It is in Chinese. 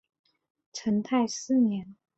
成泰四年。